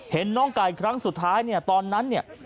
เห็นน้องไก่ครั้งสุดท้ายเนี่ยตอนนั้นเนี่ย